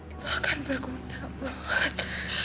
itu akan berguna banget